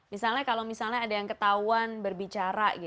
misalnya kalau misalnya ada yang ketahuan berbicara